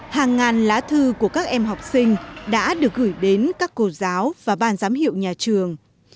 hàng ngàn lá thư của các em học sinh đã được gửi đến các cô giáo và ban giám hiệu nhà trường